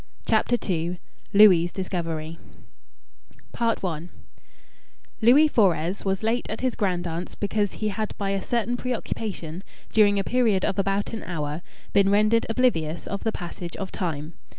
CHAPTER II LOUIS' DISCOVERY I Louis Fores was late at his grand aunt's because he had by a certain preoccupation, during a period of about an hour, been rendered oblivious of the passage of time.